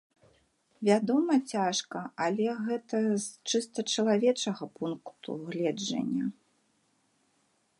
Вядома, цяжка, але гэта з чыста чалавечага пункту гледжання.